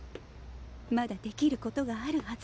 まだできることがあるはず。